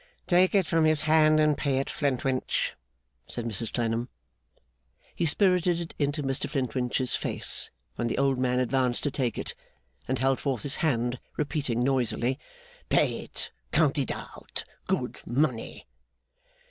'Take it from his hand and pay it, Flintwinch,' said Mrs Clennam. He spirted it into Mr Flintwinch's face when the old man advanced to take it, and held forth his hand, repeating noisily, 'Pay it! Count it out! Good money!